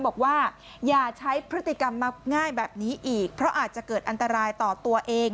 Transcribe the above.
บอกว่าอย่าใช้พฤติกรรมมาง่ายแบบนี้อีกเพราะอาจจะเกิดอันตรายต่อตัวเอง